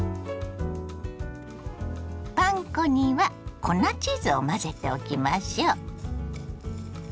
パン粉には粉チーズを混ぜておきましょ。